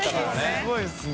すごいですね。